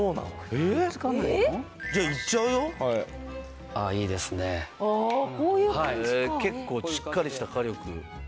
へえ結構しっかりした火力。